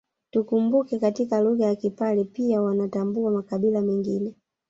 Tukumbuke katika lugha ya Kipare pia wanatambua makabila mengine